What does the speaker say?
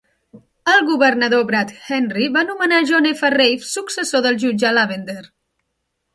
El governador Brad Henry va nomenar John F. Reif successor del jutge Lavender.